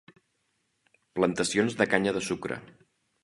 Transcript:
Plantacions de canya de sucre.